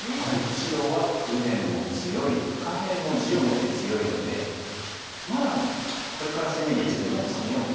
白は右辺も強い下辺も地を持って強いのでまだこれから攻めに出ても間に合うんですね。